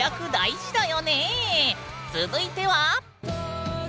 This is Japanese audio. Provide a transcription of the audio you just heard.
続いては？